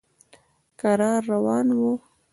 کرار روان و.